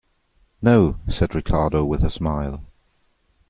"No," said Ricardo, with a smile.